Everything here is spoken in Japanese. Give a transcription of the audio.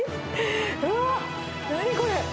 うわ、何これ。